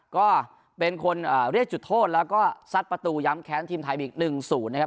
ก็เป็นคนเรียกจุดโทษแล้วก็ซัดประตูย้ำแค้นทีมไทยอีก๑๐นะครับ